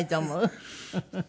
フフフフ。